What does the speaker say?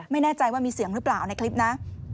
ไม่แน่ใจว่ามีเสียงหรือเปล่าในคลิปนะ